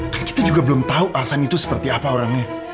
kan kita juga belum tahu alasan itu seperti apa orangnya